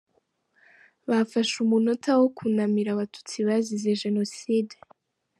Bafashe umunota wo kunamira Abatutsi abazize Jenoside.